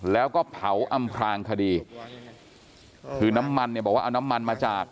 แล้วก็เผาอำพลางคดีคือน้ำมันเนี่ยบอกว่าเอาน้ำมันมาจาก